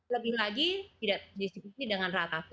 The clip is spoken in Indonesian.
lebih lagi tidak terdiskusi dengan rata